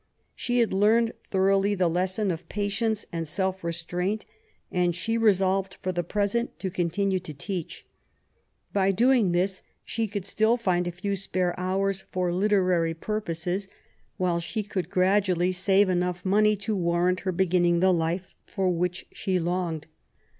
She had learned thoroughly the lesson of patience and of self restraint, and she resolved for the present to continue to teach. By doing this, she could still find a few spare hours for literary purposes, while she could gradually save enough money to warrant her beginning the life for which she longed.